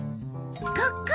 ここ！